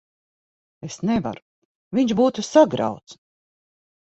Es nevaru. Viņš būtu sagrauts.